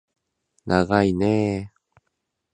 ながいねー